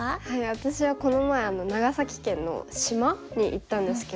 私はこの前長崎県の島に行ったんですけど。